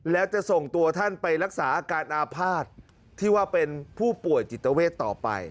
แล้วจะส่งตัวท่านไปรักษาอาการอาภาษณ์ที่ว่าเป็นผู้ป่วยจิตเวทต่อไป